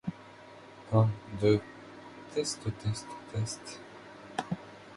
Minot City Transit provides busing service.